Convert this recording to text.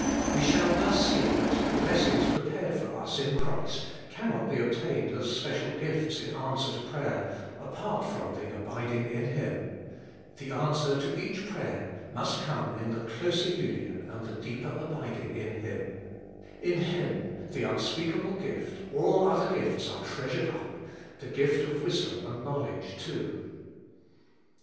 "We shall thus see that the blessings prepared for us in Christ cannot be obtained as special gifts in answer to prayer apart from the aliding in Him, The answer to each prayer must come in the closer union and the deeper abiding in Him ; in Him, the unspeakable gift, all other gifts are treasured up, the gift of wisdom and knowledge too.